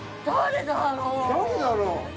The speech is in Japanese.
誰だろう？